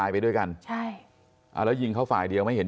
พี่สาวบอกแบบนั้นหลังจากนั้นเลยเตือนน้องตลอดว่าอย่าเข้าในพงษ์นะ